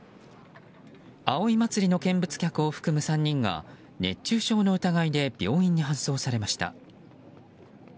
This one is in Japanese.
葵祭の見物客を含む３人が熱中症の疑いで病院に搬送されました。